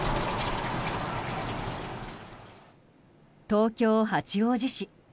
東京・八王子市。